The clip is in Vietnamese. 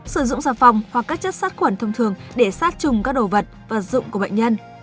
sử dụng xà phòng hoặc các chất sát khuẩn thông thường để sát trùng các đồ vật vật dụng của bệnh nhân